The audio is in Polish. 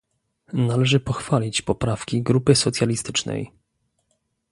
Należy pochwalić poprawki Grupy Socjalistycznej